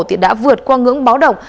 thì đã vượt qua ngưỡng báo động